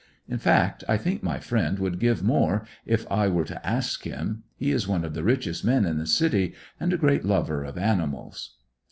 In fact, I think my friend would give more, if I were to ask him; he is one of the richest men in the city, and a great lover of animals."